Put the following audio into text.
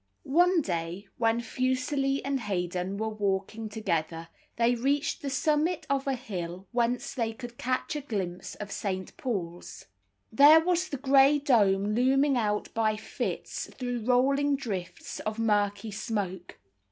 One day when Fuseli and Haydon were walking together, they reached the summit of a hill whence they could catch a glimpse of St. Paul's. There was the grey dome looming out by fits through rolling drifts of murky smoke.